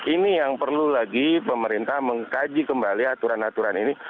ini yang perlu lagi pemerintah mengkaji kembali aturan aturan ini